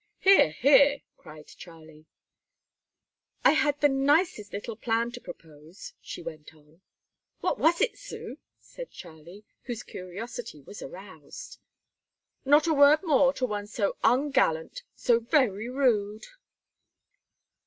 "Hear! hear!" cried Charlie. "I had the nicest little plan to propose," she went on. "What was it, Sue?" said Charlie, whose curiosity was aroused. "Not a word more to one so ungallant, so very rude."